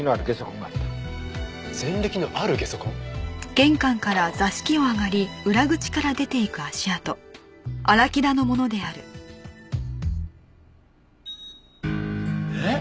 前歴のあるゲソ痕？えっ！？